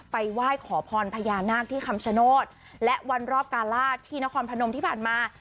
ไหว้ขอพรพญานาคที่คำชโนธและวันรอบกาลาศที่นครพนมที่ผ่านมา